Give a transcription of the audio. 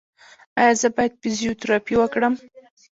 ایا زه باید فزیوتراپي وکړم؟